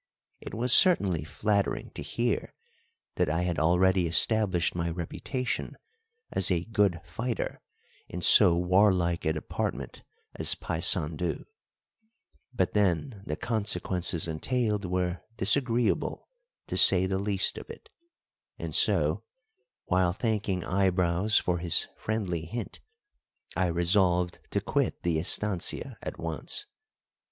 It was certainly flattering to hear that I had already established my reputation as a good fighter in so warlike a department as Paysandu, but then the consequences entailed were disagreeable, to say the least of it; and so, while thanking Eyebrows for his friendly hint, I resolved to quit the estancia at once.